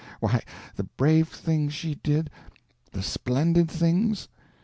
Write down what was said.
Why, the brave things she did, the splendid things!